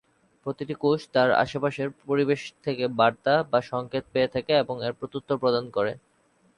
প্রতিটি কোষ তার আশেপাশের পরিবেশ থেকে বার্তা বা সঙ্কেত পেয়ে থাকে এবং এর প্রত্যুত্তর প্রদান করে।